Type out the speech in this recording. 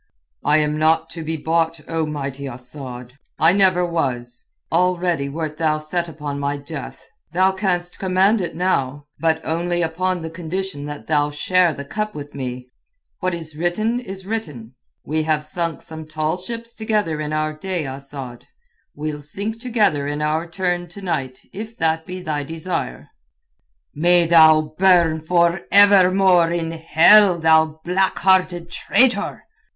"I am not to be bought, O mighty Asad. I never was. Already wert thou set upon my death. Thou canst command it now, but only upon the condition that thou share the cup with me. What is written is written. We have sunk some tall ships together in our day, Asad. We'll sink together in our turn to night if that be thy desire." "May thou burn for evermore in hell, thou black hearted traitor!"